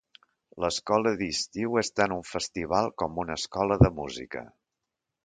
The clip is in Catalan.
L'escola d'estiu és tan un festival com una escola de música.